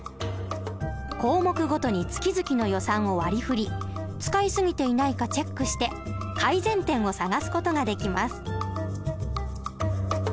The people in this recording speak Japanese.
項目ごとに月々の予算を割りふり使い過ぎていないかチェックして改善点を探す事ができます。